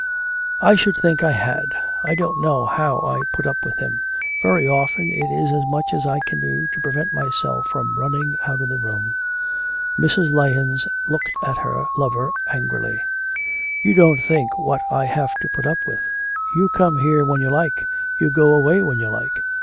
'I should think I had. I don't know how I put up with him. Very often it is as much as I can do to prevent myself from running out of the room.' Mrs. Lahens looked at her lover angrily. 'You don't think what I have to put up with. You come here when you like, you go away when you like....